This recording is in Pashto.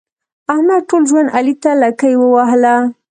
احمد ټول ژوند علي ته لکۍ ووهله.